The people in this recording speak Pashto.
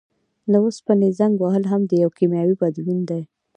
د اوسپنې زنګ وهل هم یو کیمیاوي بدلون دی.